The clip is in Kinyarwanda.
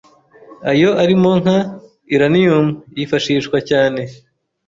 Ayo arimo nka “Uranium” yifashishwa cyane